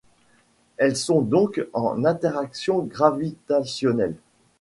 Elles sont donc en interaction gravitationnelle.